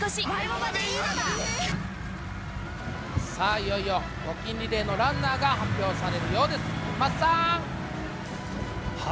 いよいよ、募金リレーのランナーが発表されるようです。